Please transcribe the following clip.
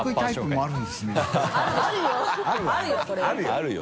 あるよ。